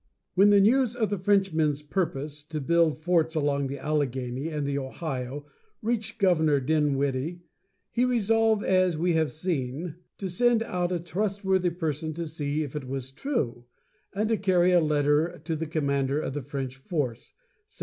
When the news of the Frenchmen's purpose to build forts along the Allegheny and the Ohio reached Governor Din wid´die, he resolved, as we have seen, to send out a trustworthy person to see if it was true, and to carry a letter to the commander of the French force (1753).